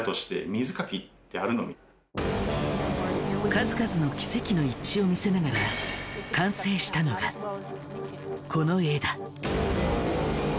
数々の奇跡の一致を見せながら完成したのがこの絵だ。